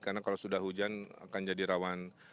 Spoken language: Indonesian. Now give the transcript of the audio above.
karena kalau sudah hujan akan jadi rawan